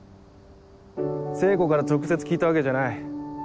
聖子から直接聞いたわけじゃない。